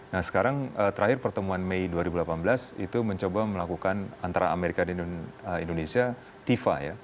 nah sekarang terakhir pertemuan mei dua ribu delapan belas itu mencoba melakukan antara amerika dan indonesia tifa ya